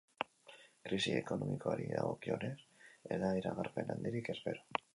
Krisi ekonomikoari dagokionez, ez da iragarpen handirik espero.